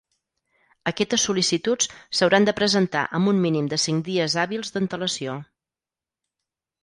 Aquestes sol·licituds s'hauran de presentar amb un mínim de cinc dies hàbils d'antelació.